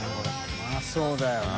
うまそうだよな。